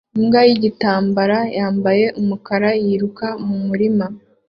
Imbwa yigitambara yambaye umukara yiruka mumurima